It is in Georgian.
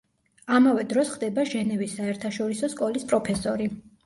ამავე დროს ხდება ჟენევის საერთაშორისო სკოლის პროფესორი.